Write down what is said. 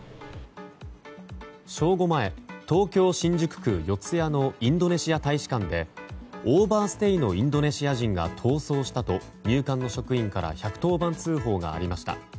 正午前東京・新宿区四谷のインドネシア大使館でオーバーステイのインドネシア人が逃走したと、入管の職員から１１０番通報がありました。